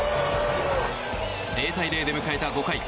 ０対０で迎えた５回。